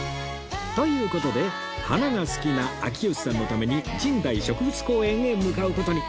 という事で花が好きな秋吉さんのために神代植物公園へ向かう事に